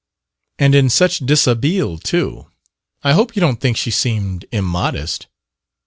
"And in such dishabille, too! I hope you don't think she seemed immodest?"